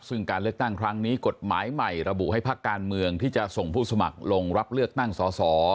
ซึ่งการเลือกตั้งครั้งนี้กฎหมายใหม่ระบุให้พักการเมืองที่จะส่งผู้สมัครลงรับเลือกตั้งสอสอ